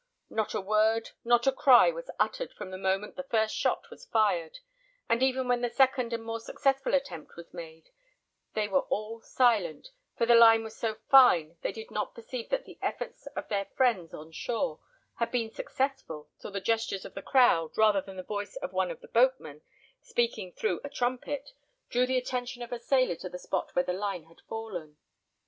Not a word, not a cry was uttered from the moment the first shot was fired; and even when the second and more successful attempt was made, they were all silent still, for the line was so fine they did not perceive that the efforts of their friends on shore had been successful till the gestures of the crowd, rather than the voice of one of the boatmen, speaking through a trumpet, drew the attention of a sailor to the spot where the line had fallen.